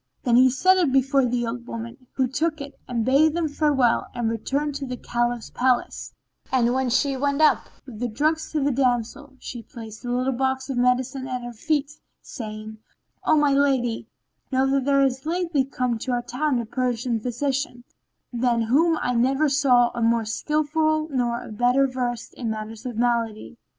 Then he set it before the old woman who took it and bade them farewell and returned to the Caliph's palace, and when she went up with the drugs to the damsel she placed the little box of medicine at her feet, saying, "O my lady, know that there is lately come to our town a Persian physician, than whom I never saw a more skilful nor a better versed in matters of malady.